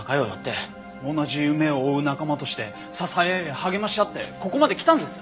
同じ夢を追う仲間として支え合い励まし合ってここまで来たんです。